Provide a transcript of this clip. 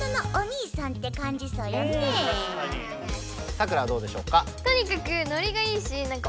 サクラはどうでしょうか？